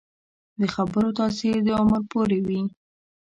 د خبرو تاثیر د عمر پورې وي